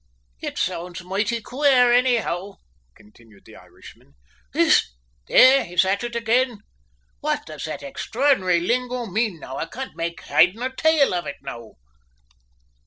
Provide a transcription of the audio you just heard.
"It sounds moighty queer, anyhow," continued the Irishman. "Whisht! There, he's at it again! What does that extraordinary lingo mean now? I can't make h'id nor tale of it, sor!"